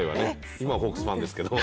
今はホークスファンですけど。